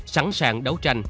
sẵn sàng đấu tranh